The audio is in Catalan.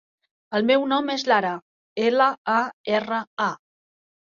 El meu nom és Lara: ela, a, erra, a.